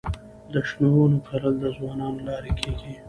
د شنو ونو کرل د ځوانانو له لارې کيږي.